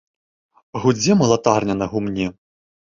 Гудзе малатарня на гумне.